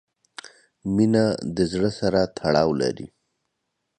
• مینه د زړۀ سره تړاو لري.